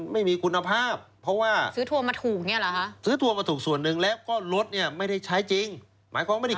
ขอบคุณไปแล้วก็มาตรงร้านค้าต่างเหล่านี้